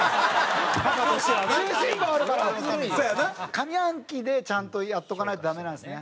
上半期でちゃんとやっとかないとダメなんですね。